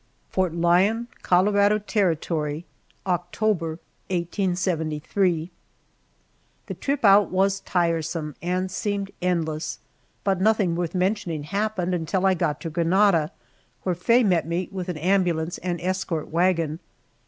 FORT LYON, COLORADO TERRITORY, October, 1873. THE trip out was tiresome and seemed endless, but nothing worth mentioning happened until I got to Granada, where Faye met me with an ambulance and escort wagon.